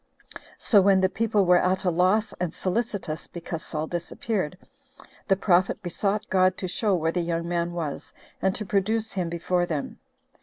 So when the people were at a loss, and solicitous, because Saul disappeared, the prophet besought God to show where the young man was, and to produce him before them.